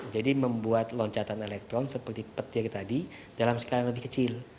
jadi membuat loncatan elektron seperti petir tadi dalam skala lebih kecil